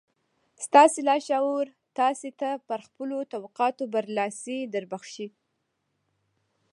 ستاسې لاشعور تاسې ته پر خپلو توقعاتو برلاسي دربښي.